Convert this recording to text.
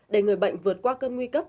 để người bệnh vượt qua cơn nguy cấp